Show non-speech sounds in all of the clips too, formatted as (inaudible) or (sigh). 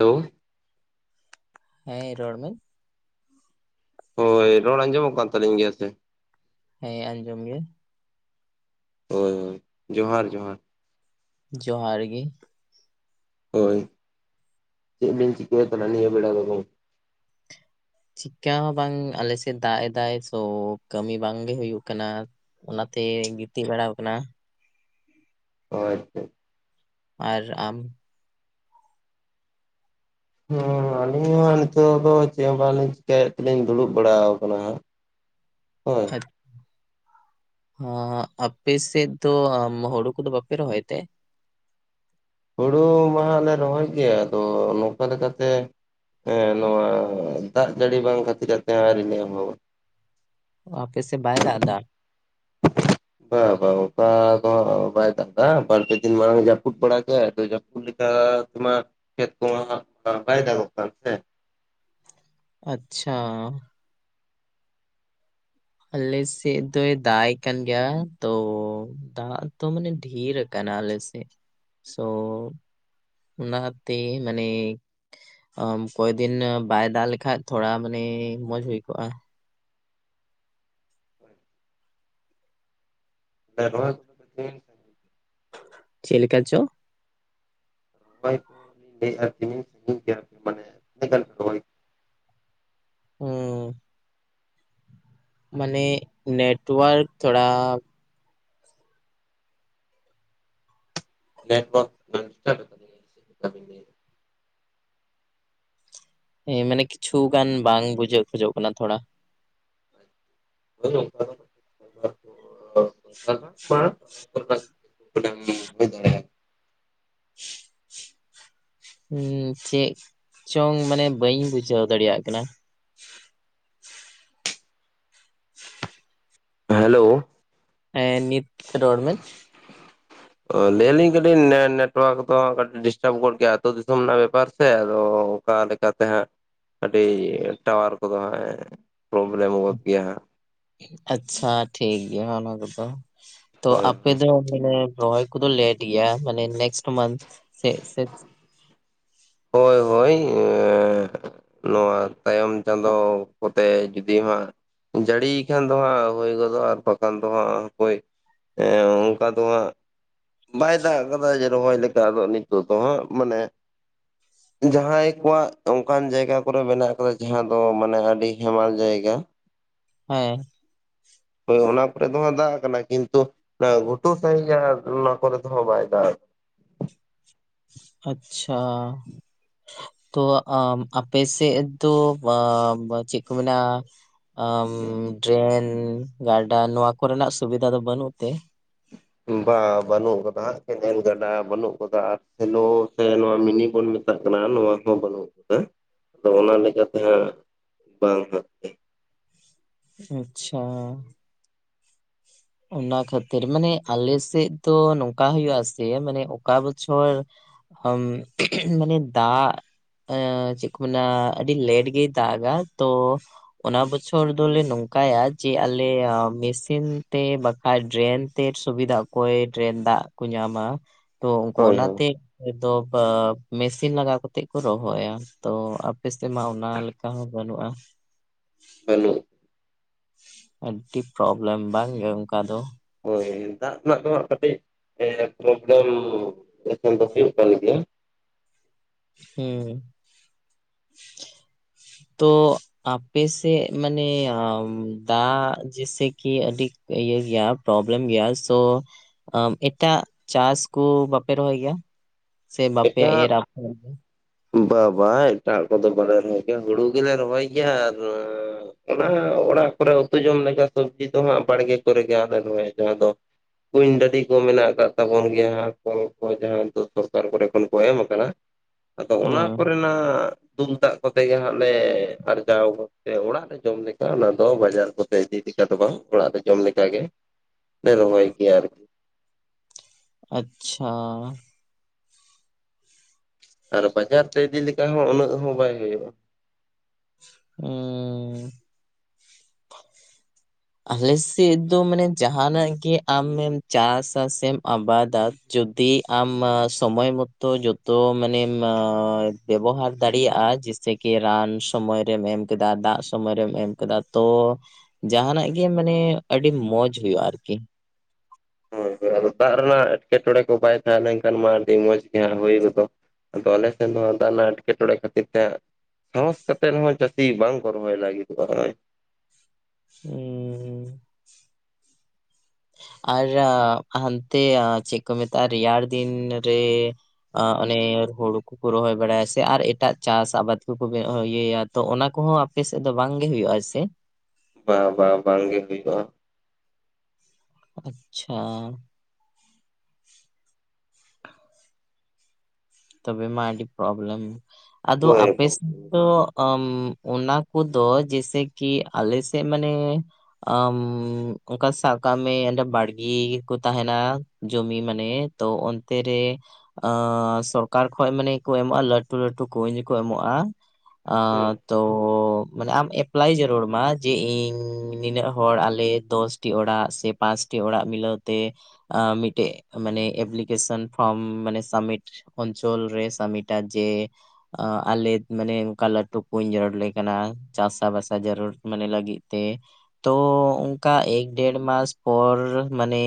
Hello ᱦᱮᱸ ᱨᱚᱲ ᱢᱮ ᱦᱳᱭ ᱨᱚᱲ ᱟᱸᱡᱚᱢᱚᱜ ᱠᱟᱱ ᱛᱟᱹᱞᱤᱧ ᱜᱮᱭᱟ ᱥᱮ ᱦᱮᱸ ᱟᱸᱡᱚᱢ ᱜᱮ ᱦᱚᱭ ᱦᱚᱭ ᱡᱚᱦᱟᱨ ᱡᱚᱦᱟᱨ ᱡᱚᱦᱟᱨ ᱜᱤ ᱦᱳᱭ ᱪᱮᱫ ᱵᱤᱱ ᱪᱤᱠᱟᱹᱭᱮᱫ ᱠᱟᱱᱟ ᱱᱤᱭᱟᱹ ᱵᱮᱲᱟ ᱫᱚ ᱜᱚᱝ ᱪᱮᱠᱟ ᱦᱚᱸ ᱵᱟᱝ ᱟᱞᱮᱥᱮᱫ ᱫᱟᱜ ᱮᱫᱟᱭ ᱥᱳ ᱠᱟᱹᱢᱤ ᱵᱟᱝᱜᱮ ᱦᱩᱭᱩᱜ ᱠᱟᱱᱟ ᱚᱱᱟᱛᱮ ᱜᱤᱛᱤᱡ ᱵᱟᱲᱟᱣ ᱠᱟᱱᱟ ᱳ ᱟᱪᱪᱷᱟ ᱟᱨ ᱟᱢ? ᱦᱚᱸ ᱟᱹᱞᱤᱧ ᱢᱟ ᱱᱤᱛᱚᱜ ᱫᱚ ᱪᱮᱫ ᱦᱚᱸ ᱵᱟᱝᱞᱤᱧ ᱪᱤᱠᱟᱭᱮᱫ ᱛᱮᱞᱤᱧ ᱫᱩᱲᱩᱵ ᱵᱟᱲᱟ ᱟᱠᱟᱱᱟ ᱦᱟᱸᱜ᱾ ᱦᱳᱭ, ᱟᱪ ᱟ ᱟᱯᱮ ᱥᱮᱫ ᱫᱚ ᱦᱩᱲᱩ ᱠᱚᱫᱚ ᱵᱟᱯᱮ ᱨᱚᱦᱚᱭ ᱛᱮ? ᱦᱩᱲᱩ ᱢᱟᱦᱟᱸ ᱞᱮ ᱨᱚᱦᱚᱭ ᱜᱮᱭᱟ, ᱟᱫᱚ ᱱᱚᱝᱠᱟ ᱞᱮᱠᱟᱛᱮ ᱦᱮᱸ ᱱᱚᱣᱟ ᱫᱟᱜ ᱡᱟᱹᱲᱤ ᱵᱟᱝ ᱠᱷᱟᱹᱛᱤᱨ ᱟᱨᱠᱤ ᱟᱹᱣᱨᱤᱞᱮ ᱮᱦᱚᱵᱟ᱾ ᱟᱯᱮᱥᱮᱜ ᱵᱟᱭ ᱫᱟᱜ ᱫᱟ? ᱵᱟ ᱵᱟ ᱚᱝᱠᱟ ᱫᱚ ᱦᱟᱸᱜ ᱵᱟᱭ ᱫᱟᱜ ᱫᱟ ᱵᱟᱨ-ᱯᱮ ᱫᱤᱱ ᱢᱟᱲᱟᱝ ᱮ ᱡᱟᱹᱯᱩᱫ ᱵᱟᱲᱟ ᱠᱮᱜ-ᱟᱭ ᱟᱫᱚ ᱡᱟᱹᱯᱼᱼ ᱞᱮᱠᱟ ᱛᱮᱢᱟ ᱠᱷᱮᱛ ᱠᱚᱢᱟ ᱦᱟᱸᱜ ᱵᱟᱭ ᱫᱟᱜᱚᱜ ᱠᱟᱱ ᱛᱮ? ᱟᱪᱪᱷᱟ᱾ ᱟᱞᱮᱥᱮᱫ ᱫᱚᱭ ᱫᱟᱜ ᱮ ᱠᱟᱱ ᱜᱮᱭᱟ ᱛᱚ ᱫᱟᱜ ᱫᱚ ᱢᱟᱱᱮ ᱰᱷᱤᱨ ᱠᱟᱱᱟ ᱟᱞᱮ ᱥᱮᱜ, ᱥᱳ ᱚᱱᱟᱛᱮ ᱢᱟᱱᱮ ᱚ ᱠᱚᱭ ᱫᱤᱱ ᱵᱟᱭ ᱫᱟᱜ ᱞᱮᱠᱟᱡ ᱛᱷᱚᱲᱟ ᱢᱟᱱᱮ ᱢᱚᱸᱡᱽ ᱦᱩᱭ ᱠᱚᱜᱼᱟ᱾ (inaudible) ᱪᱮᱫ ᱞᱮᱠᱟ ᱪᱚ? (inaudible) ᱦᱚ ᱢᱟᱱᱮ ᱱᱮᱴᱣᱟᱨᱠ ᱛᱷᱚᱲᱟ ᱞᱮᱰᱣᱟᱨᱠ ᱦᱮᱸ ᱢᱟᱱᱮ ᱠᱤᱪᱷᱩ ᱜᱟᱱ ᱵᱟᱝ ᱵᱩᱡᱷᱟᱹᱜ ᱠᱷᱚᱡᱚᱜ ᱠᱟᱱᱟ ᱛᱷᱚᱲᱟ᱾ (inaudible) (inaudible) ᱦᱩᱸ ᱪᱮᱫ ᱪᱚᱝ ᱢᱟᱱᱮ ᱵᱟᱹᱧ ᱵᱩᱡᱷᱟᱹᱣ ᱫᱟᱲᱮᱭᱟᱜ ᱠᱟᱱᱟ᱾ ᱦᱮᱞᱳ! ᱦᱸᱮ ᱱᱤᱛ ᱨᱚᱲ ᱢᱮ᱾ ᱚᱻ ᱞᱟᱹᱭᱞᱤᱧ ᱠᱟᱹᱴᱤᱡ ᱱᱮ ᱱᱮᱴᱣᱟᱨᱠ ᱫᱚ ᱠᱟᱹᱴᱤᱡ ᱰᱤᱥᱴᱟᱵ ᱜᱚᱫ ᱜᱮᱭᱟ ᱟᱛᱳ ᱫᱤᱥᱚᱢ ᱨᱮᱱᱟᱜ ᱵᱮᱯᱟᱨ ᱥᱮ ᱟᱫᱚ ᱚᱠᱟ ᱠᱟᱛᱮ ᱦᱟᱸᱜ ᱟᱹᱰᱤ ᱴᱟᱣᱟᱨ ᱠᱚᱫᱚ ᱦᱟᱸᱜ ᱮ ᱯᱨᱚᱵᱽᱞᱚᱢ ᱜᱚᱫ ᱜᱮᱭᱟ ᱦᱟᱸᱜ᱾ ᱟᱪᱪᱷᱟ ᱴᱷᱤᱠ ᱜᱮᱭᱟ ᱚᱱᱟ ᱠᱚᱫᱚ᱾ ᱛᱚ ᱦᱳᱭ ᱟᱯᱮ ᱦᱳᱭ ᱫᱚ ᱢᱟᱱᱮ ᱨᱚᱦᱚᱭ ᱠᱚᱫᱚ ᱞᱮᱴ ᱜᱮᱭᱟ ᱢᱟᱱᱮ ᱱᱮᱠᱥᱴ ᱢᱟᱱᱛᱷ ᱥᱮᱜ ᱥᱮᱡ? ᱦᱳᱭ ᱦᱳᱭ, ᱮᱸ ᱱᱚᱣᱟ ᱛᱟᱭᱚᱢ ᱪᱟᱸᱫᱚ ᱠᱚᱛᱼᱼ ᱛᱮ ᱡᱩᱫᱤ ᱦᱟᱸᱜ ᱡᱟᱹᱲᱤᱭ ᱠᱷᱟᱱ ᱫᱚ ᱦᱟᱸᱜ ᱦᱳᱭ ᱜᱚᱫᱚᱜᱼᱟ, ᱟᱨ ᱵᱟᱠᱷᱟᱱ ᱫᱚ ᱦᱟᱸᱜ ᱚᱠᱚᱭ ᱮᱸ ᱚᱱᱠᱟ ᱫᱚ ᱦᱟᱸᱜ ᱵᱟᱭ ᱫᱟᱜ ᱟᱠᱟᱫᱟ ᱡᱮ ᱨᱚᱦᱚᱭ ᱞᱮᱠᱟ ᱟᱫᱚ ᱱᱤᱛᱚᱜ ᱫᱚ ᱦᱟᱸᱜ, ᱢᱟᱱᱮ ᱡᱟᱦᱟᱸᱭ ᱠᱚᱣᱟᱜ ᱚᱱᱠᱟᱱ ᱡᱟᱭᱜᱟ ᱠᱚᱨᱮ ᱢᱮᱱᱟᱜ ᱟᱠᱟᱫᱟ ᱡᱟᱦᱟᱸ ᱫᱚ ᱢᱟᱱᱮ ᱟᱹᱰᱤ ᱦᱮᱢᱟᱞ ᱡᱟᱭᱜᱟ᱾ ᱦᱮᱸ᱾ ᱦᱳᱭ ᱚᱱᱟ ᱠᱚᱨᱮ ᱫᱚ ᱦᱟᱸᱜ ᱫᱟᱜ ᱠᱟᱱᱟ᱾ ᱠᱤᱱᱛᱩ ᱚᱱᱟ ᱜᱷᱩᱴᱩ ᱥᱟᱸᱦᱮᱡ ᱦᱟᱸᱜ ᱚᱱᱟ ᱠᱚᱨᱮ ᱫᱚ ᱦᱟᱸᱜ ᱵᱟᱭ ᱫᱟᱜ ᱟᱪᱪᱷᱟ᱾ ᱛᱚ ᱟᱢ ᱟᱯᱮ ᱥᱮᱫ ᱫᱚ ᱵᱟ ᱵᱟ ᱪᱮᱫ ᱠᱚ ᱢᱮᱱᱟ ᱟᱢ ᱰᱨᱮᱱ, ᱜᱟᱰᱟ, ᱱᱚᱣᱟ ᱠᱚᱨᱮᱱᱟᱜ ᱥᱩᱵᱤᱫᱷᱟ ᱫᱚ ᱵᱟᱹᱱᱩᱜ ᱛᱮ? ᱵᱟᱸ ᱵᱟᱹᱱᱩᱜ ᱠᱟᱫᱟ ᱦᱟᱸᱜ ᱠᱮᱱᱮᱞ ᱜᱟᱰᱟ ᱵᱟᱹᱱᱩᱜ ᱠᱟᱫᱟ ᱟᱨ ᱥᱮᱞᱳ ᱥᱮ ᱱᱚᱣᱟ ᱢᱤᱱᱤᱝ ᱵᱚᱱ ᱢᱮᱼᱼ ᱢᱮᱛᱟᱜ ᱠᱟᱱᱟ ᱱᱚᱣᱟ ᱦᱚᱸ ᱵᱟᱹᱱᱩᱜ ᱟᱠᱟᱫᱟ ᱟᱫᱚ ᱚᱱᱟ ᱞᱮᱠᱟ ᱛᱮ ᱦᱟᱸᱜ ᱵᱟᱝ ᱦᱟᱸᱜ ᱜᱮ ᱾ ᱟᱪᱪᱷᱟ᱾ ᱚᱱᱟ ᱠᱷᱟᱹᱛᱤᱨ᱾ ᱢᱟᱱᱮ ᱟᱞᱮ ᱥᱮᱫ ᱫᱚ ᱱᱚᱝᱠᱟ ᱦᱩᱭᱩᱜ ᱟᱥᱮ ᱢᱟᱱᱮ ᱚᱠᱟ ᱵᱚᱪᱷᱚᱨ ᱟᱢ (inaudible) ᱢᱟᱱᱮ ᱫᱟᱜ ᱮᱸ ᱪᱮᱫ ᱠᱚ ᱢᱮᱱᱟ ᱟᱹᱰᱤ ᱞᱮᱴ ᱜᱮ ᱫᱟᱜᱟ, ᱛᱚ ᱚᱱᱟ ᱵᱚᱪᱷᱚᱨ ᱫᱚᱞᱮ ᱱᱚᱝᱠᱟᱭᱟ ᱡᱮ ᱟᱞᱮ ᱢᱮᱥ ᱤᱱ ᱛᱮ ᱵᱟᱠᱷᱟᱡ ᱰᱨᱮᱱ ᱛᱮ ᱥᱩᱵᱤᱫᱷᱟ ᱥᱩᱵᱤᱫᱷᱟ ᱚᱠᱚᱭ ᱰᱨᱮᱱ ᱫᱟᱜ ᱠᱚ ᱧᱟᱢᱟ ᱾ ᱛᱚ ᱩᱱᱠᱩ ᱦᱳᱭ ᱦᱳᱭ ᱚᱱᱟᱛᱮ ᱫᱚ ᱢᱮᱥᱤᱱ ᱞᱟᱜᱟᱣ ᱠᱟᱛᱮᱫ ᱠᱚ ᱨᱚᱦᱚᱭᱟ ᱾ ᱛᱚ ᱟᱯᱮ ᱥᱮᱫ ᱢᱟ ᱚᱱᱟ ᱞᱮᱠᱟ ᱦᱚᱸ ᱵᱟᱹᱱᱩᱜᱼᱟ ᱾ ᱵᱟᱹᱱᱩᱜ ᱟᱹᱰᱤ ᱯᱨᱳᱵᱞᱮᱢ ᱵᱟᱝᱜᱮ ᱚᱱᱠᱟ ᱫᱚ ᱾ ᱦᱳᱭ ᱫᱟᱜ ᱨᱮᱱᱟᱜ ᱫᱚ ᱦᱟᱸᱜ ᱠᱟᱹᱴᱤᱡ ᱯᱨᱚᱵᱞᱮᱢ ᱮᱠᱷᱚᱱ ᱫᱚ ᱦᱩᱭᱩᱜ ᱠᱟᱱ ᱜᱮᱭᱟ ᱾ ᱦᱩᱸ, ᱛᱚ ᱟᱯᱮ ᱥᱮᱫ ᱢᱟᱱᱮ ᱫᱟᱜ ᱡᱮᱥᱮ ᱠᱤ ᱟᱹᱰᱤ ᱤᱭᱟᱹ ᱜᱮᱭᱟ ᱯᱨᱵᱞᱮᱢ ᱜᱮᱭᱟ ᱥᱳ ᱟᱢ ᱮᱴᱟᱜ ᱪᱟᱥ ᱠᱩ ᱵᱟᱯᱮ ᱨᱚᱦᱚᱭ ᱜᱮᱭᱟ? ᱥᱮ ᱵᱟᱯᱮ ᱮᱴᱟᱜ ᱮᱨ (unintelligible) ᱵᱟ ᱵᱟ ᱮᱴᱟᱜ ᱠᱚᱫᱚ ᱵᱟᱞᱮ ᱨᱚᱦᱚᱭ ᱜᱮᱭᱟ ᱦᱩᱲᱩ ᱜᱮᱞᱮ ᱨᱚᱦᱚᱭ ᱜᱮᱭᱟ ᱟᱨ ᱚᱱᱟ ᱚᱲᱟᱜ ᱠᱚᱨᱮ ᱩᱛᱩ ᱡᱚᱢ ᱞᱮᱠᱟ ᱥᱚᱵᱽᱡᱤ ᱫᱚ ᱦᱟᱸᱜ ᱵᱟᱲᱜᱮ ᱠᱚᱨᱮ ᱜᱮ ᱟᱞᱮ (unintelligible) ᱡᱟᱦᱟᱸ ᱫᱚ ᱠᱩᱧ ᱰᱟᱹᱰᱤ ᱠᱚ ᱢᱮᱱᱟᱜ ᱟᱠᱟᱫ ᱛᱟᱵᱚᱱ ᱜᱮᱭᱟ ᱠᱚᱞ ᱠᱚ ᱡᱟᱦᱟᱸ ᱫᱚ ᱥᱚᱨᱠᱟᱨ ᱠᱚᱨᱮ ᱠᱷᱚᱱ ᱠᱚ ᱮᱢ ᱠᱟᱱᱟ, ᱟᱫᱚ ᱚᱱᱟ ᱦᱩᱸ ᱠᱚᱨᱮᱱᱟᱜ ᱫᱩᱞ ᱫᱟᱜ ᱠᱚᱛᱮ ᱜᱮ ᱦᱟᱸᱜ ᱞᱮ ᱟᱨᱡᱟᱣ (unintelligible) ᱚᱲᱟᱜ ᱡᱚᱢ ᱞᱮᱠᱟ ᱚᱱᱟ ᱫᱚ ᱵᱟᱡᱟᱨ ᱠᱚᱛᱮ ᱤᱫᱤ ᱞᱮᱠᱟ ᱫᱚ ᱵᱟᱝ ᱚᱲᱟᱜ ᱨᱮ ᱡᱚᱢ ᱞᱮ ᱞᱮᱠᱟᱜᱮ ᱞᱮ ᱨᱚᱦᱚᱭ ᱜᱮᱭᱟ ᱟᱨᱠᱤ ᱾ ᱟᱪᱪᱷᱟ ᱾ ᱟᱨ ᱵᱟᱡᱟᱨ ᱛᱮ ᱤᱫᱤ ᱞᱮᱠᱟ ᱦᱚᱸ ᱩᱱᱟᱹᱜ ᱦᱚᱸ ᱵᱟᱭ ᱦᱳᱭᱳᱜᱼᱟ ᱾ ᱩᱸ ᱾ ᱦᱩᱸ ᱾ ᱟᱞᱮ ᱥᱮᱫ ᱫᱚ ᱢᱟᱱᱮ ᱡᱟᱦᱟᱸ ᱱᱟᱜ ᱜᱮ ᱟᱢᱮᱢ ᱪᱟᱥᱟ ᱥᱮᱢ ᱟᱵᱟᱫᱟ ᱡᱚᱫᱤ ᱟᱢ ᱥᱚᱢᱚᱭ ᱢᱚᱛᱚ ᱡᱚᱛᱚ ᱢᱟᱱᱮᱢ ᱵᱮᱵᱚᱦᱟᱨ ᱫᱟᱲᱮᱭᱟᱜᱼᱟ ᱥᱮᱠᱤ ᱨᱟᱱ ᱥᱚᱢᱚᱭ ᱨᱮᱢ ᱮᱢ ᱠᱮᱫᱟ ᱫᱟᱜ ᱥᱚᱢᱚᱭ ᱨᱮᱢ ᱮᱢ ᱠᱮᱫᱟ ᱛᱚ ᱡᱟᱦᱟᱸᱱᱟᱜ ᱜᱮ ᱢᱟᱱᱮ ᱟᱹᱰᱤ ᱢᱚᱸᱡᱽ ᱦᱩᱭᱩᱜᱼᱟ ᱟᱨᱠᱤ ᱾ ᱦᱳᱭ ᱦᱳᱭ ᱫᱟᱜ ᱨᱮᱱᱟᱜ ᱮᱴᱠᱮᱴᱚᱬᱮ ᱠᱚ ᱵᱟᱭ ᱛᱟᱦᱮᱸ ᱞᱮᱱᱠᱷᱟᱱ ᱢᱟ ᱟᱹᱰᱤ ᱢᱚᱸᱡᱽ ᱜᱮ ᱦᱟᱸᱜ ᱦᱩᱭ ᱜᱚᱫᱚᱜ ᱾ ᱟᱫᱚ ᱟᱞᱮ ᱥᱮᱱ ᱫᱚ ᱦᱟᱸᱜ ᱫᱟᱜ ᱨᱮᱱᱟᱜ ᱮᱴᱠᱮᱴᱚᱬᱮ ᱠᱷᱛᱤᱨ ᱛᱮ ᱥᱟᱦᱚᱸᱥ ᱠᱟᱛᱮ ᱨᱮᱦᱚᱸ ᱪᱟᱹᱥᱤ ᱵᱟᱝ ᱠᱚ ᱨᱚᱦᱚᱭ ᱞᱟᱹᱜᱤᱫᱚᱜᱼᱟ, ᱦᱚᱸᱜᱼᱚᱭ ᱦᱩᱸ ᱾ ᱦᱩᱸ ᱾ ᱟᱨ ᱦᱟᱱᱛᱮ ᱪᱮᱫ ᱠᱚ ᱢᱮᱛᱟᱜᱼᱟ ᱨᱮᱭᱟᱲ ᱫᱤᱱ ᱨᱮ ᱟᱜ ᱩᱱᱤ ᱠᱚᱠᱚ ᱨᱚᱦᱚᱭ ᱵᱟᱲᱟᱭᱟ ᱥᱮ ᱟᱨ ᱮᱴᱟᱜ ᱪᱟᱥ ᱟᱵᱟᱫ ᱠᱚᱠᱚ ᱤᱭᱟᱹᱭᱟ ᱛᱚ ᱚᱱᱟ ᱠᱚᱦᱚᱸ ᱟᱯᱮᱥᱮᱫ ᱫᱚ ᱵᱟᱝᱼᱜᱮ ᱦᱩᱭᱩᱜᱼᱟ ᱥᱮ ᱵᱟ ᱵᱟ ᱵᱟᱝ ᱜᱮ ᱦᱩᱭᱩᱜᱼᱟ ᱳ ᱟᱪᱪᱷᱟ ᱛᱚᱵᱮ ᱢᱟ ᱟᱹᱰᱤ ᱯᱨᱚᱵᱞᱮᱢ ᱟᱫᱚ ᱦᱳᱭ ᱟᱯᱮᱥᱮᱫ ᱜᱚᱝᱠᱮ᱾ ᱫᱚ ᱚᱱᱟ ᱠᱚᱫᱚ ᱡᱮᱥᱮ ᱠᱤ ᱟᱞᱮᱥᱮᱫ ᱢᱟᱱᱮ ᱟᱢ ᱚᱱᱠᱟ ᱥᱟᱵ ᱠᱟᱜ ᱢᱮ ᱮᱸᱰᱮ ᱵᱟᱲᱜᱮ ᱠᱚ ᱛᱟᱦᱮᱸᱱᱟ ᱡᱚᱢᱤ ᱢᱟᱱᱮ ᱛᱚ ᱚᱱᱛᱮ ᱨᱮ ᱟᱸ ᱥᱚᱨᱠ ᱠᱟᱨ ᱠᱷᱚᱡ ᱢᱟᱱᱮ ᱠᱚ ᱮᱢᱚᱜᱼᱟ ᱞᱟᱹᱴᱩ ᱞᱟᱹᱴᱩ ᱠᱩᱧ ᱠᱚ ᱮᱢᱚᱜᱼᱟ ᱟᱸ ᱦᱩᱸ ᱛᱚ ᱢᱟᱱᱮ ᱟᱢ ᱮᱯᱞᱟᱭ ᱡᱟᱹᱨᱩᱲᱢᱟ ᱡᱮ ᱤᱧ ᱱᱤᱱᱟᱹᱜ ᱦᱚᱲ ᱟᱞᱮ ᱫᱚᱥᱴᱤ ᱚᱲᱟᱜ ᱥᱮ ᱯᱟᱸᱪᱴᱤ ᱚᱲᱟᱜ ᱢᱤᱞᱟᱹᱣ ᱛᱮ ᱢᱤᱫᱴᱮᱜ ᱢᱟᱱᱮ ᱮᱯᱞᱤᱠᱮᱥᱚᱱ ᱯᱷᱚᱨᱢ ᱢᱟᱱᱮ ᱥᱟᱵᱢᱤᱴ ᱚᱧᱪᱚᱞ ᱨᱮ ᱥᱟᱢᱤᱴᱟ ᱡᱮ ᱟᱞᱮ ᱢᱟᱱᱮ ᱞᱟᱹᱴᱩ ᱠᱩᱧ ᱡᱟᱹᱨᱩᱲ ᱟᱞᱮ ᱠᱟᱱᱟ ᱪᱟᱥᱟᱵᱟᱥᱟ ᱡᱟᱹᱨᱩᱲ ᱢᱟᱱᱮ ᱞᱟᱹᱜᱤᱫ ᱛᱮ ᱛᱚ ᱚᱱᱠᱟ ᱮᱠ ᱰᱮᱲ ᱢᱟᱥ ᱯᱚᱨ ᱢᱟᱱᱮ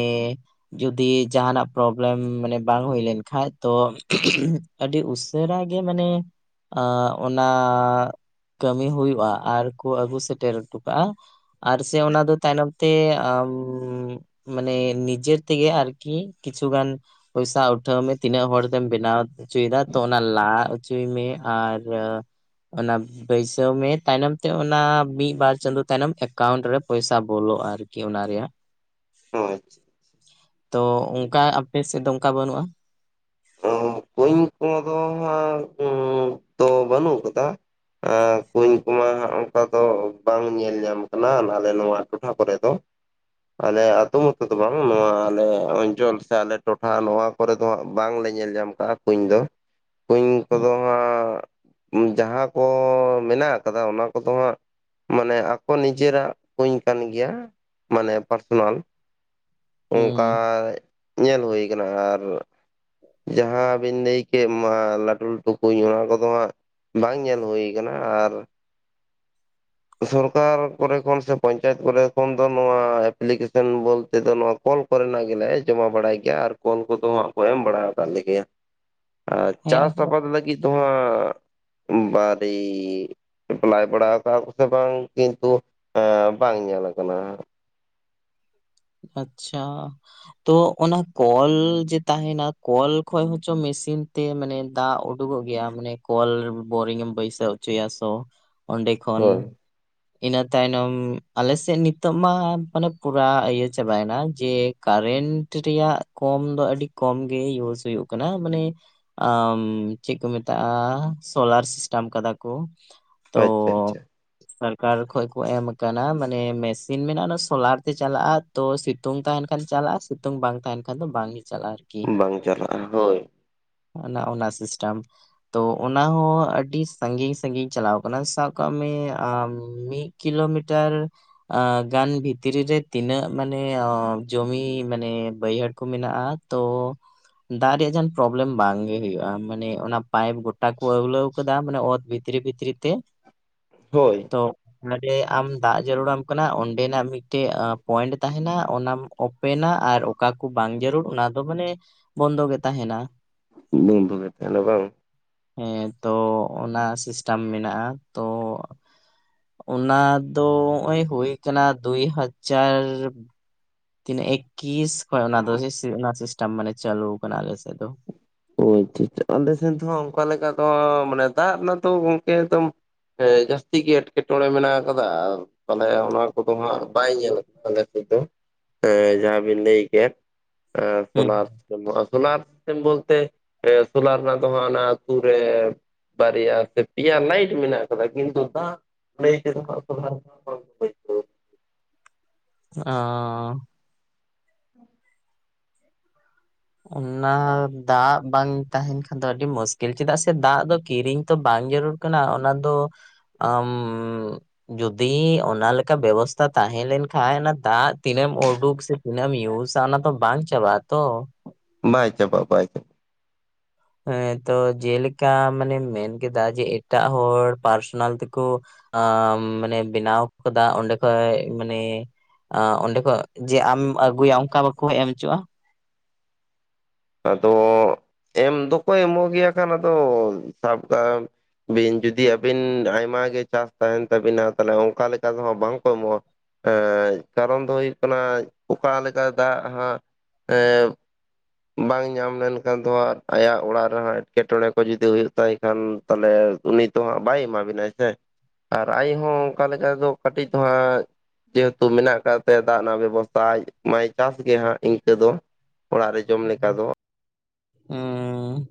ᱡᱚᱫᱤ ᱡᱟᱦᱟᱸᱱᱟᱜ ᱯᱨᱚᱵᱞᱮᱢ ᱢᱟᱱᱮ ᱵᱟᱝ ᱦᱩᱭ ᱞᱱᱠᱷᱟᱡ ᱛᱚ ᱩᱸᱦᱩᱸᱜ ᱟᱹᱰᱤ ᱩᱥᱟᱹᱨᱟ ᱜᱮ ᱢᱟᱱᱮ ᱟ ᱚᱱᱟ ᱠᱟᱹᱢᱤ ᱦᱩᱭᱩᱜᱼᱟ ᱟᱨ ᱠᱚ ᱟᱹᱜᱩ ᱥᱮᱴᱮᱨ ᱦᱚᱴᱚ ᱠᱟᱜᱼᱟ ᱟᱨ ᱥᱮ ᱚᱱᱟ ᱫᱚ ᱛᱟᱭᱱᱚᱢ ᱛᱮ ᱟᱢᱻ᱾ ᱢᱟᱱᱮ ᱱᱤᱡᱮᱨ ᱛᱮᱜᱮ ᱟᱨᱠᱤ ᱠᱤᱪᱷᱩ ᱜᱟᱱ ᱯᱚᱭᱥᱟ ᱩᱴᱷᱟᱹᱣ ᱢᱮ, ᱛᱤᱱᱟᱹᱜ ᱦᱚᱲ ᱛᱮᱢ ᱵᱮᱱᱟᱣ ᱦᱚᱪᱚᱭᱫᱟ ᱛᱚ ᱚᱱᱟ ᱞᱟ ᱦᱚᱪᱚᱭ ᱢᱮ ᱟᱨ ᱚᱱᱟ ᱵᱟᱹᱭᱥᱟᱹᱣ ᱢᱮ, ᱛᱟᱭᱱᱚᱢ ᱛᱮ ᱚᱱᱟ ᱢᱤᱫ ᱵᱟᱨ ᱪᱟᱸᱫᱳ ᱛᱟᱭᱱᱚᱢ ᱮᱠᱟᱣᱩᱱᱴ ᱨᱮ ᱯᱚᱭᱥᱟ ᱵᱚᱞᱚᱜᱼᱟ ᱟᱨᱠᱤ᱾ ᱠᱤ ᱚᱱᱟ ᱨᱮᱭᱟᱜ᱾ ᱚ ᱟᱪᱪᱷᱟ ᱛᱚ ᱚᱱᱠᱟ ᱟᱯᱮ ᱥᱮᱫ ᱫᱚ ᱚᱱᱠᱟ ᱵᱟᱹᱱᱩᱜᱼᱟ? ᱟᱸ ᱠᱩᱧ ᱠᱚ ᱫᱚ ᱦᱟᱸᱜ ᱚᱸ ᱛᱚ ᱵᱟᱹᱱᱩᱜ ᱟᱠᱟᱫᱟ᱾ ᱮᱸ ᱠᱩᱧ ᱠᱚᱢᱟ ᱚᱱᱠᱟ ᱫᱚ ᱵᱟᱝ ᱧᱮᱞ ᱧᱟᱢ ᱟᱠᱟᱱᱟ ᱟᱞᱮ ᱱᱚᱣᱟ ᱴᱚᱴᱷᱟ ᱠᱚᱨᱮ ᱫᱚ᱾ ᱟᱞᱮ ᱟᱛᱳ ᱢᱚᱛᱚ ᱫᱚ ᱵᱟᱝ, ᱱᱚᱣᱟ ᱟᱞᱮ ᱚᱧᱪᱚᱞ ᱥᱮ ᱟᱞᱮ ᱴᱚᱴᱷᱟ ᱱᱚᱣᱟ ᱠᱚᱨᱮ ᱫᱚ ᱦᱟᱸᱜ ᱵᱟᱝ ᱞᱮ ᱧᱮᱞ ᱧᱟᱢ ᱠᱟᱜᱼᱟ ᱠᱩᱧ ᱫᱚ᱾ ᱠᱩᱧ ᱠᱚᱫᱚ ᱦᱟᱸᱜ ᱡᱟᱦᱟᱸ ᱠᱚ ᱢᱮᱱᱟᱜ ᱟᱠᱟᱫᱟ ᱚᱱᱟ ᱠᱚᱫᱚ ᱦᱟᱸᱜ ᱢᱟᱱᱮ ᱟᱠᱚ ᱱᱤᱡᱮᱨᱟᱜ ᱠᱩᱧ ᱠᱟᱱ ᱜᱮᱭᱟ, ᱢᱟᱱᱮ ᱯᱟᱨᱥᱚᱱᱟᱞ᱾ ᱚᱝᱠᱟ ᱦᱩᱸ ᱧᱮᱞ ᱦᱩᱭ ᱠᱟᱱᱟ ᱟᱨ ᱡᱟᱦᱟᱸ ᱵᱤᱱ ᱞᱟᱹᱭ ᱠᱮᱫ ᱢᱟ ᱞᱟᱹᱴᱩ ᱞᱟᱹᱴᱩ ᱠᱩᱧ ᱚᱱᱟ ᱠᱚᱫᱚ ᱦᱟᱸᱜ ᱵᱟᱝ ᱧᱮᱞ ᱦᱩᱭ ᱠᱟᱱᱟ ᱟᱨ ᱥᱚᱨᱠᱟᱨ ᱠᱚᱨᱮ ᱠᱷᱚᱱ ᱥᱮ ᱯᱚᱧᱪᱟᱭᱮᱛ ᱠᱚᱨᱮ ᱠᱷᱚᱱ ᱫᱚ ᱱᱚᱣᱟ ᱮᱯᱞᱤᱠᱮᱥᱮᱱ ᱵᱳᱞᱛᱮ ᱫᱚ ᱱᱚᱣᱟ ᱠᱚᱞ ᱠᱚᱨᱮᱱᱟᱜ ᱜᱮᱞᱮ ᱡᱚᱢᱟ ᱵᱟᱲᱟᱭ ᱜᱮᱭᱟ᱾ ᱟᱨ ᱠᱚᱞ ᱠᱚᱫᱚ ᱦᱟᱸᱜ ᱠᱚ ᱮᱢ ᱵᱟᱲᱟ ᱟᱠᱣᱟᱫ ᱞᱮᱜᱮᱭᱟ᱾ ᱟᱨ ᱦᱮᱸ ᱪᱟᱥ ᱟᱫᱚ ᱟᱵᱟᱫ ᱞᱟᱹᱜᱤᱫ ᱫᱚ ᱦᱟᱸᱜ ᱵᱟᱨᱤᱜ ᱮᱯᱞᱟᱭ ᱵᱟᱲᱟ ᱠᱟᱜ-ᱟ ᱠᱚ ᱥᱮ ᱵᱟᱝ ᱠᱤᱱᱛᱩ ᱮᱸ ᱵᱟᱝ ᱧᱮᱞ ᱟᱠᱟᱱᱟ ᱟᱪᱪᱷᱟ ᱛᱚ ᱚᱱᱟ ᱠᱚᱞ ᱡᱮ ᱛᱟᱦᱮᱱᱟ ᱠᱚᱞ ᱠᱷᱚᱡ ᱦᱚᱪᱚ ᱢᱮᱥᱤᱱ ᱛᱮ ᱢᱟᱱᱮ ᱫᱟᱜ ᱳ ᱳᱰᱳᱜᱳᱜ ᱜᱮᱭᱟ, ᱢᱟᱱᱮ ᱠᱚᱞ ᱵᱳᱨᱤᱝ ᱮᱢ ᱵᱟᱹᱭᱥᱟᱹᱣ ᱦᱚᱪᱚᱭᱟ ᱥᱚ ᱚᱸᱰᱮ ᱠᱷᱚᱱ ᱦᱳᱭ ᱤᱱᱟᱹ ᱛᱟᱭᱱᱚᱢ, ᱟᱞᱮᱥᱮᱫ ᱱᱤᱛᱚᱜ ᱢᱟ ᱢᱟᱱᱮ ᱯᱩᱨᱟ ᱤᱭᱟᱹ ᱪᱟᱵᱟᱭ ᱱᱟ᱾ ᱡᱮ ᱠᱟᱨᱮᱱᱴ ᱨᱮᱭᱟᱜ ᱠᱚᱢ ᱫᱚ ᱟᱹᱰᱤ ᱠᱚᱢ ᱜᱮ ᱤᱭᱩᱥ ᱦᱩᱭᱩᱜ ᱠᱟᱱᱟ ᱢᱟᱱᱮ ᱟᱸᱻ ᱢ ᱪᱮᱫ ᱠᱚ ᱢᱮᱛᱟᱜᱼᱟ, ᱥᱳᱞᱟᱨ ᱥᱤᱥᱴᱟᱢ ᱠᱟᱫᱟ ᱠᱚ᱾ ᱛᱚ ᱳ ᱟᱪᱪᱷᱟ ᱟᱪᱪᱷᱟ᱾ ᱥᱚᱨᱠᱟᱨ ᱠᱷᱚᱡ ᱠᱚ ᱮᱢ ᱟᱠᱟᱱᱟ᱾ ᱢᱟᱱᱮ ᱢᱮᱥᱤᱱ ᱢᱮᱱᱟᱜᱼᱟ ᱚᱱᱟ ᱥᱳᱞᱟᱨ ᱛᱮ ᱪᱟᱞᱟᱜᱼᱟ᱾ ᱛᱚ ᱥᱤᱛᱩᱝ ᱛᱟᱦᱮᱱ ᱠᱷᱟᱱ ᱪᱟᱞᱟᱜᱼᱟ, ᱥᱤᱛᱩᱝ ᱵᱟᱝ ᱛᱟᱦᱮᱱ ᱠᱷᱟᱱ ᱫᱚ ᱵᱟᱝ ᱜᱮ ᱪᱟᱞᱟᱜ ᱟᱨ᱾ ᱵᱟᱝ ᱪᱟᱞᱟᱜᱼᱟ ᱦᱳᱭ᱾ ᱚᱱᱟ ᱚᱱᱟ ᱥᱤᱥᱴᱟᱢ᱾ ᱛᱚ ᱚᱱᱟ ᱦᱚᱸ ᱟᱹᱰᱤ ᱥᱟᱺᱜᱤᱧ ᱥᱟᱺᱜᱤᱧ ᱪᱟᱞᱟᱣ ᱟᱠᱟᱱᱟ, ᱥᱟᱵ ᱠᱟᱜ ᱢᱮ ᱟᱢ ᱢᱤᱫ ᱠᱤᱞᱳᱢᱤᱴᱟᱨ ᱮᱸ ᱜᱟᱱ ᱵᱷᱤᱛᱨᱤ ᱨᱮ ᱛᱤᱱᱟᱹᱜ ᱢᱟᱱᱮ ᱟᱸ ᱡᱚᱢᱤ ᱢᱟᱱᱮ ᱵᱟᱹᱭᱦᱟᱹᱲ ᱠᱚ ᱢᱮᱱᱟᱜᱼᱟ ᱛᱚ ᱫᱟᱜ ᱨᱮᱭᱟᱜ ᱡᱟᱦᱟᱱ ᱯᱨᱚᱵᱞᱮᱢ ᱵᱟᱝ ᱜᱮ ᱦᱳᱭᱳᱜᱼᱟ᱾ ᱢᱟᱱᱮ ᱚᱱᱟ ᱯᱟᱭᱤᱯ ᱜᱚᱴᱟᱠᱩ ᱟᱹᱣᱞᱟᱹᱣ ᱠᱟᱫᱟ ᱢᱟᱱᱮ ᱚᱛ ᱵᱷᱤᱛ ᱛᱨᱤ ᱵᱷᱤᱛᱨᱤ ᱛᱮ᱾ ᱦᱳᱭ᱾ ᱚ ᱢᱟᱱᱮ ᱟᱢ ᱫᱟᱜ ᱡᱟᱹᱨᱩᱲᱟᱢ ᱠᱟᱱᱟ ᱚᱸᱰᱮᱱᱟᱜ ᱢᱤᱫᱴᱮᱱ ᱯᱚᱭᱮᱱᱴ ᱛᱟᱦᱮᱱᱟ ᱚᱱᱟᱢ ᱳᱯᱮᱱᱟ ᱟᱨ ᱚᱠᱟ ᱠᱩ ᱵᱟᱝ ᱡᱟᱹᱨᱩᱲ ᱚᱱᱟ ᱫᱚ ᱢᱟᱱᱮ ᱵᱚᱱᱫᱚ ᱜᱮ ᱛᱟᱦᱮᱱᱟ᱾ ᱵᱚᱱᱫᱚ ᱜᱮ ᱛᱟᱦᱮᱱᱟ ᱵᱟᱝ᱾ ᱦᱮᱸ, ᱚ ᱚᱱᱟ ᱥᱤᱥᱴᱟᱢ ᱢᱮᱱᱟᱜᱼᱟ, ᱛᱚ ᱚᱱᱟ ᱫᱚ ᱦᱚᱜᱼᱚᱭ ᱦᱩᱭ ᱠᱟᱱᱟ ᱫᱩᱭ ᱦᱟᱡᱽᱡᱟᱨ ᱛᱤᱱᱟᱹᱜ ᱮᱠᱠᱤᱥ ᱠᱷᱚᱡ ᱚᱱᱟ ᱫᱚ ᱥᱤᱥᱤ ᱚᱱᱟ ᱥᱤᱥᱴᱮᱢ ᱢᱟᱱᱮ ᱪᱟᱹᱞᱩᱣ ᱠᱟᱱᱟ ᱟᱞᱮ ᱥᱮᱫ ᱫᱚ᱾ ᱚ ᱟᱪᱪᱷᱟ ᱟᱪᱪᱷᱟ᱾ ᱚᱸᱰᱮ ᱥᱮᱱ ᱫᱚ ᱦᱟᱸᱜ ᱚᱱᱠᱟ ᱞᱮᱠᱟ ᱫᱚᱻ ᱢᱟᱱᱮ ᱫᱟᱜ ᱨᱮᱱᱟᱜ ᱛᱚ ᱜᱚᱝᱠᱮ ᱮᱠᱫᱚᱢ ᱦᱳᱭ ᱡᱟᱹᱥᱛᱤ ᱜᱮ ᱮᱴᱠᱮᱴᱚᱬᱮ ᱢᱮᱱᱟᱜ ᱟᱠᱟᱫᱟ, ᱟᱨ ᱛᱟᱦᱞᱮ ᱚᱱᱟ ᱠᱚᱫᱚ ᱦᱟᱸᱜ ᱵᱟᱭ ᱧᱮᱞᱚᱜ ᱟᱞᱮ ᱥᱮᱫ ᱫᱚ᱾ ᱦᱮᱸ ᱡᱟᱦᱟᱸ ᱵᱮᱱ ᱞᱟᱹᱭ ᱠᱮᱫ ᱮᱸ ᱦᱩᱸ ᱥᱳᱞᱟᱨ ᱥᱤᱥᱴᱮᱢ ᱫᱚ ᱥᱳᱞᱟᱨ ᱥᱤᱥᱴᱮᱢ ᱫᱚ ᱛᱮ ᱮ ᱥᱳᱞᱟᱨ ᱨᱮᱱᱟᱜ ᱫᱚ ᱦᱟᱜ ᱚᱱᱟ ᱟᱹᱛᱩ ᱨᱮ ᱵᱟᱨᱭᱟ ᱥᱮ ᱯᱮᱭᱟ ᱞᱟᱭᱤᱴ ᱢᱮᱱᱟᱜ ᱟᱠᱟᱫᱟ ᱠᱤᱱᱛᱩ ᱫᱟᱜ (unintelligible) ᱚᱸᱻ᱾ ᱚᱱᱟ ᱫᱟᱜ ᱵᱟᱝ ᱛᱟᱦᱮᱱ ᱠᱷᱟᱱ ᱫᱚ ᱟᱹᱰᱤ ᱢᱩᱥᱠᱤᱞ ᱪᱮᱫᱟᱜ ᱥᱮ ᱫᱟᱜ ᱫᱚ ᱠᱤᱨᱤᱧ ᱛᱚ ᱵᱟᱝ ᱡᱟᱹᱨᱩᱲ ᱠᱟᱱᱟ ᱚᱱᱟ ᱫᱚ ᱟᱢ ᱡᱩᱫᱤ ᱚᱱᱟ ᱞᱮᱠᱟ ᱵᱮᱵᱚᱥᱛᱟ ᱛᱟᱦᱮᱸ ᱞᱮᱱ ᱠᱷᱟᱡ ᱚᱱᱟ ᱫᱟᱜ ᱛᱤᱱᱟᱹᱢ ᱚᱰᱳᱠ ᱥᱮ ᱛᱤᱱᱟᱹᱢ ᱤᱭᱩᱥᱟ ᱚᱱᱟ ᱛᱚ ᱵᱟᱝ ᱪᱟᱵᱟᱜᱼᱟ ᱛᱚ᱾ ᱵᱟᱭ ᱪᱟᱵᱟ ᱵᱟᱭ ᱦᱮᱸ ᱛᱚ ᱡᱮᱞᱮᱠᱟ ᱢᱟᱱᱮ ᱢᱮᱱ ᱠᱮᱫᱟ ᱡᱮ ᱮᱴᱟᱜ ᱦᱚᱲ ᱯᱟᱨᱥᱚᱱᱟᱞ ᱛᱮᱠᱚ ᱟ ᱢᱟᱱᱮ ᱵᱮᱱᱟᱣ ᱠᱚᱫᱟ ᱚᱸᱰᱮ ᱠᱷᱚᱡ ᱢᱟᱱᱮ ᱟᱸ ᱚᱸᱰᱮ ᱠᱷᱚᱡ ᱡᱮ ᱟᱢ ᱟᱹᱜᱩᱭᱟ ᱚᱱᱠᱟ ᱵᱟᱠᱚ ᱮᱢ ᱪᱩᱜᱼᱟ? ᱟᱫᱚ ᱮᱢ ᱫᱚᱠᱚ ᱮᱢᱚᱜᱮᱭᱟ ᱟᱠᱷᱟᱱ ᱟᱫᱚ ᱥᱟᱵ ᱠᱟᱜ ᱵᱤᱱ ᱡᱩᱫᱤ ᱟᱹᱵᱤᱱ ᱟᱭᱢᱟ ᱜᱮ ᱪᱟᱥ ᱛᱟᱦᱮᱱ ᱛᱟᱵᱤᱱᱟ ᱛᱟᱦᱚᱞᱮ ᱚᱱᱠᱟ ᱞᱮᱠᱟ ᱫᱚᱦᱟᱸ ᱵᱟᱝᱠᱚ ᱮᱢᱚᱜᱼᱟ᱾ ᱮᱸ ᱠᱟᱨᱚᱱ ᱫᱚ ᱦᱩᱭᱩᱜ ᱠᱟᱱᱟ ᱚᱠᱟ ᱞᱮᱠᱟ ᱫᱟᱜ ᱦᱟᱸᱜ ᱮ ᱵᱟᱝ ᱧᱟᱢ ᱞᱮᱱᱠᱷᱟᱱ ᱫᱚ ᱦᱟᱸᱜ ᱟᱭᱟᱜ ᱚᱲᱟᱜ ᱨᱮᱦᱚᱸ ᱮᱴᱠᱮᱴᱚᱬᱮ ᱠᱚ ᱡᱩᱫᱤ ᱦᱩᱭᱩᱜ ᱛᱟᱭ ᱠᱷᱟᱱ᱾ ᱛᱟᱦᱚᱞᱮ ᱩᱱᱤ ᱛᱚ ᱦᱟᱸᱜ ᱵᱟᱭ ᱮᱢᱟ ᱵᱤᱱᱟᱭ ᱥᱮ᱾ ᱟᱨ ᱟᱭ ᱦᱚᱸ ᱚᱱᱠᱟ ᱞᱮᱠᱟ ᱫᱚ ᱠᱟᱹᱴᱤᱡ ᱛᱚ ᱦᱟᱸᱜ ᱡᱮᱦᱮᱛᱩ ᱢᱮᱱᱟᱜ ᱟᱠᱟᱜ ᱛᱟᱭᱟ ᱫᱟᱜ ᱨᱮᱱᱟᱜ ᱵᱮᱵᱚᱥᱛᱷᱟ ᱟᱡ ᱢᱟᱭ ᱪᱟᱥ ᱜᱮ ᱦᱟᱸᱜ ᱤᱱᱠᱟᱹ ᱫᱚ ᱚᱲᱟᱜ ᱨᱮ ᱡᱚᱢ ᱞᱮᱠᱟ ᱫᱚ᱾ ᱩᱸᱻ᱾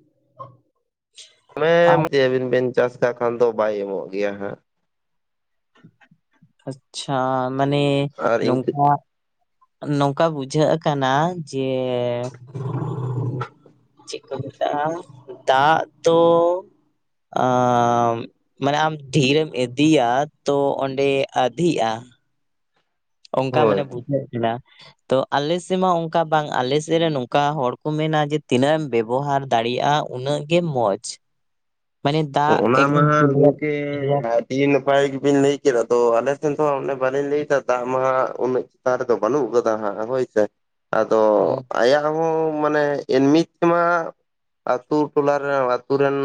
(inaudible) ᱟᱵᱮᱱ ᱵᱮᱱ ᱪᱟᱥ ᱠᱟᱜ ᱠᱷᱟᱱ ᱫᱚ ᱵᱟᱭ ᱮᱢᱚᱜ ᱜᱮᱭᱟ ᱦᱟᱸᱜ᱾ ᱟᱪᱪᱷᱟ ᱢᱟᱱᱮ ᱟᱨ ᱤᱱᱠᱟᱹ ᱱᱚᱝᱠᱟ ᱱᱚᱝᱠᱟ ᱵᱩᱡᱷᱟᱹᱜ ᱠᱟᱱᱟ ᱡᱮᱻ (inaudible) ᱪᱮᱜ ᱠᱚ ᱢᱮᱛᱟᱜᱼᱟ ᱫᱟᱜ ᱫᱚ ᱟᱻ ᱢᱟᱱᱮ ᱟᱢ ᱰᱷᱤᱨᱮᱢ ᱤᱫᱤᱭᱟ ᱛᱚ ᱚᱸᱰᱮ ᱟᱫᱷᱤᱜᱼᱟ᱾ ᱚᱱᱠᱟ ᱦᱳᱭ ᱢᱟᱱᱮ ᱵᱩᱡ ᱱᱚᱜ ᱦᱮᱱᱟᱜᱼᱟ ᱾ ᱛᱚ ᱟᱞᱮ ᱥᱮᱢᱟ ᱚᱱᱠᱟ ᱵᱟᱝ ᱟᱞᱮ ᱥᱮ ᱨᱮ ᱱᱚᱝᱠᱟ ᱦᱚᱲ ᱠᱚ ᱢᱮᱱᱟ ᱡᱮ ᱛᱤᱱᱟᱹᱜ ᱮᱢ ᱵᱮᱵᱚᱦᱟᱨ ᱫᱟᱲᱮᱭᱟᱜᱼᱟ ᱩᱱᱟᱹᱜ ᱜᱮ ᱢᱚᱡᱽ, ᱢᱟᱱᱮ ᱫᱟᱜ ᱮᱠᱫᱚᱢ (inaudible) ᱤᱭᱟᱹ ᱱᱟᱯᱟᱭ ᱜᱮᱵᱮᱱ ᱞᱟᱹᱭ ᱠᱮᱫᱟ ᱛᱚ ᱟᱞᱮ ᱥᱮᱱ ᱛᱚ ᱦᱟᱸᱜ ᱚᱱᱟ ᱵᱟᱞᱤᱧ ᱞᱟᱹᱭ ᱠᱟᱜ ᱛᱟ ᱢᱟᱦᱟ ᱩᱱᱟᱹᱜ ᱛᱟᱨ ᱫᱚ ᱵᱟᱹᱱᱩᱜ ᱟᱠᱟᱫᱟ ᱦᱟᱸᱜ ᱦᱳᱭ ᱥᱮ ᱟᱫᱚ ᱢᱚᱡᱽ᱾ ᱟᱭᱟᱜ ᱟᱵᱚ ᱢᱟᱱᱮ ᱮᱱᱢᱤ ᱛᱮᱢᱟ ᱟᱛᱳ ᱴᱚᱞᱟ ᱨᱮᱱ ᱟᱛᱳ ᱨᱮᱱ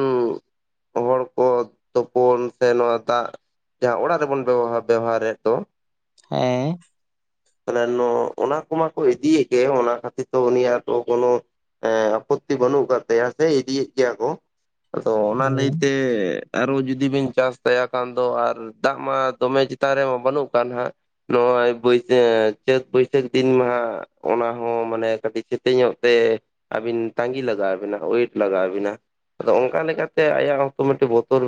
ᱼᱼ ᱛᱩᱯᱩᱱ ᱛᱮ ᱱᱚᱣᱟ ᱫᱟᱜ ᱡᱟᱦᱟᱸ ᱚᱲᱟᱜ ᱨᱮᱵᱚᱱ ᱵᱮᱣ ᱵᱮᱣᱦᱟᱨᱮᱫ ᱫᱚ ᱦᱮᱸᱻ (inaudible) ᱚᱱᱟ ᱠᱚᱢᱟᱠᱚ ᱤᱫᱤᱭᱮ ᱜᱮ ᱚᱱᱟ ᱠᱷᱟᱹᱛᱤᱨ ᱛᱮ ᱩᱱᱤᱭᱟᱜᱚ ᱠᱳᱱᱳ ᱮᱸ ᱟᱯᱚᱛᱛᱤ ᱵᱟᱹᱱᱩᱜ ᱟᱠᱟᱫ ᱛᱟᱭᱟ ᱥᱮ ᱤᱫᱤᱭᱮᱫ ᱜᱮᱭᱟ ᱠᱚ ᱟᱫᱚ ᱚᱱᱟ ᱦᱮᱸ ᱞᱟᱹᱭᱛᱮ ᱟᱨᱚ ᱡᱩᱫᱤ ᱵᱤᱱ ᱪᱟᱥ ᱛᱟᱭᱟ ᱠᱷᱟᱱ ᱫᱚ ᱟᱨ ᱫᱟᱜ ᱢᱟ ᱫᱚᱢᱮ ᱪᱮᱛᱟᱱ ᱨᱮᱢᱟ ᱵᱟᱹᱱᱩᱜ ᱠᱟᱜ ᱦᱟᱸᱜ ᱱᱚᱜᱼᱚᱭ ᱵᱟᱹᱭᱥᱟᱹᱠᱷ ᱪᱟᱹᱛ ᱵᱟᱹᱭᱥᱟᱹᱠᱷ ᱫᱤᱱ ᱢᱟᱦᱟᱜ ᱚᱱᱟ ᱦᱚᱸ ᱢᱟᱱᱮ ᱠᱟᱹᱴᱤᱡ ᱥᱮᱛᱮ ᱧᱚᱜ ᱛᱮ ᱟᱹᱵᱤᱱ ᱛᱟᱸᱜᱤ ᱞᱟᱜᱟᱣ ᱵᱤᱱᱟ ᱚᱳᱭᱮᱴ ᱞᱟᱜᱟᱣ ᱵᱤᱱᱟ ᱟᱫᱚ ᱚᱱᱠᱟ ᱞᱮᱠᱟ ᱛᱮ ᱟᱭᱟᱜ ᱦᱚᱸᱛᱚ ᱢᱤᱫᱴᱟᱝ‌ ᱵᱚᱛᱚᱨ ᱢᱮ